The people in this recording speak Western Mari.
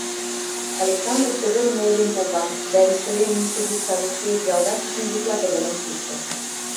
– Александров сӹгӹрӹмӹ эдем попа, дӓ лишӹлем мишӹ юкшы Алексеев ялдашыжын юкла тӹдӹлӓн чучы.